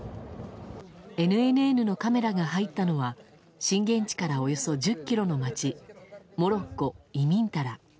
ＮＮＮのカメラが入ったのは、震源地からおよそ１０キロの町、モロッコ・イミンタラ。